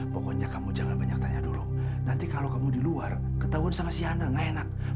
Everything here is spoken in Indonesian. pokoknya kamu jangan banyak tanya dulu nanti kalau kamu di luar ketahuan sangat siana enak